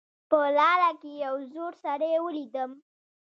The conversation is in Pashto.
په لاره کې یو زوړ سړی ولیدم